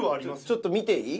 ちょっと見ていい？